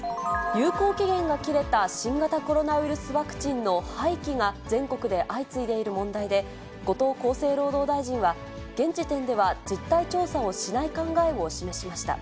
有効期限が切れた新型コロナウイルスワクチンの廃棄が全国で相次いでいる問題で、後藤厚生労働大臣は、現時点では実態調査をしない考えを示しました。